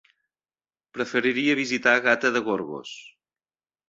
Preferiria visitar Gata de Gorgos.